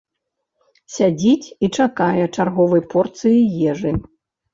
Сядзіць і чакае чарговай порцыі ежы.